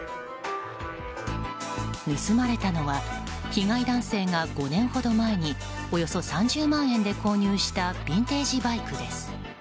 盗まれたのは被害男性が５年ほど前におよそ３０万円で購入したビンテージバイクです。